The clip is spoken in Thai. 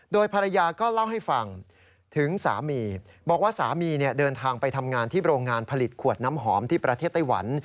โดยภรรยาก็เล่าให้ฟังถึงสามีบอกว่าสามีเดินทางไปทำงานที่โรงงานผลิตขวดน้ำหอมที่ประเทศไต้หวัน